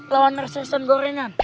lawan resesan gorengan